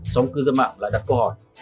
xóm cư dân mạng lại đặt câu hỏi